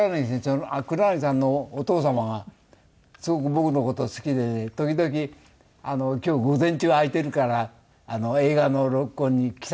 黒柳さんのお父様がすごく僕の事好きでね時々「今日午前中空いてるから映画の録音に来た！」